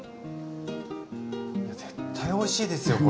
絶対おいしいですよこれ。